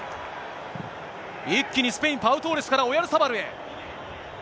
一気にスペイン、パウ・トーレスから、オヤルサバルへ。